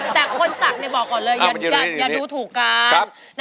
แต่คนศักดิ์บอกก่อนเลยอย่าดูถูกกัน